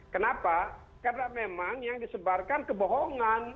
kenapa karena memang yang disebarkan kebohongan